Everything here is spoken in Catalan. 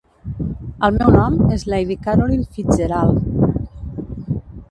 El meu nom es Lady Carolyn Fitzgerald.